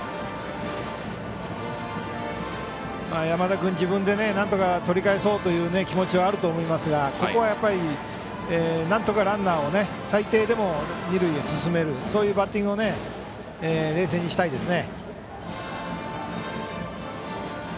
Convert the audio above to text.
山田君、自分でなんとか取り返そうという気持ちはあると思いますがここはなんとかランナーを最低でも二塁へ進める、そういうバッティングを冷静にしたいですね。